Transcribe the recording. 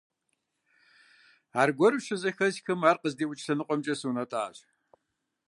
Аргуэру щызэхэсхым, ар къыздиӀукӀ лъэныкъуэмкӀэ сунэтӀащ.